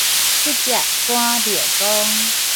乞丐趕廟公